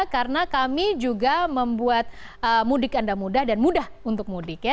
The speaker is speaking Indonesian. karena kami juga membuat mudik anda mudah dan mudah untuk mudik ya